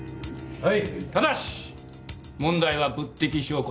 はい！